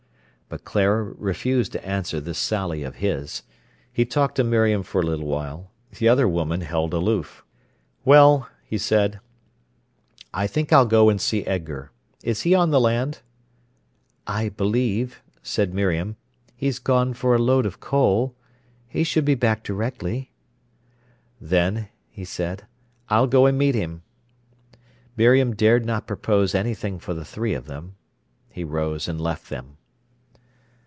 But Clara refused to answer this sally of his. He talked to Miriam for a little while. The other woman held aloof. "Well," he said, "I think I'll go and see Edgar. Is he on the land?" "I believe," said Miriam, "he's gone for a load of coal. He should be back directly." "Then," he said, "I'll go and meet him." Miriam dared not propose anything for the three of them. He rose and left them.